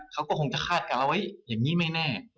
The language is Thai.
เขาก็คงจะคาดกันแล้วว่าเห็นนี่ไม่แน่